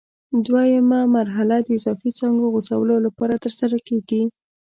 دوه یمه مرحله د اضافي څانګو غوڅولو لپاره ترسره کېږي.